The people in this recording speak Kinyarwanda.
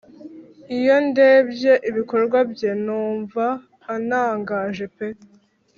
iyo ndebye ibikorwa bye numva anangaje pe